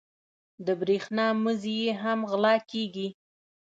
د برېښنا مزي یې هم غلا کېږي.